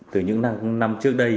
từ những năm trước đây